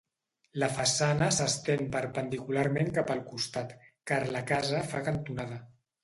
La façana s'estén perpendicularment cap al costat, car la casa fa cantonada.